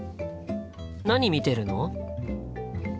何見てるの？